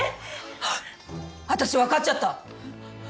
あっ私わかっちゃった。